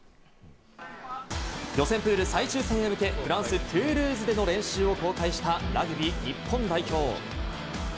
予選プール最終戦へ向け、フランス・トゥールーズでの練習を公開したラグビー日本代表。